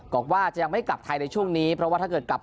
บอกว่าจะยังไม่กลับไทยในช่วงนี้เพราะว่าถ้าเกิดกลับ